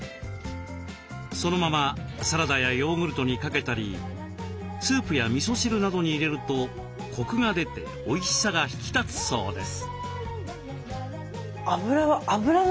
そのままサラダやヨーグルトにかけたりスープやみそ汁などに入れるとコクが出ておいしさが引き立つそうです。